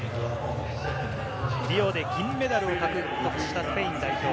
リオで銀メダルを獲得したスペイン代表。